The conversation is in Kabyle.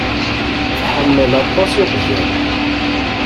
Tḥemmel aṭas iqjan.